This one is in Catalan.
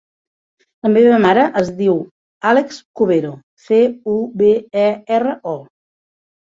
La meva mare es diu Àlex Cubero: ce, u, be, e, erra, o.